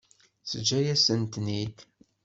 Teǧǧa-yasent-ten-id.